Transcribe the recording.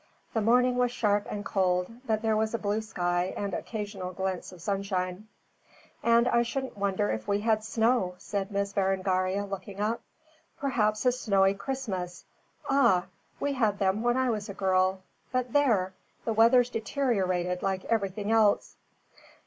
The morning was sharp and cold, but there was a blue sky and occasional glints of sunshine. "And I shouldn't wonder if we had snow," said Miss Berengaria, looking up. "Perhaps a snowy Christmas. Ah, we had them when I was a girl. But there! the weather's deteriorated like everything else."